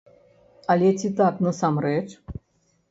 Але ці так насамрэч?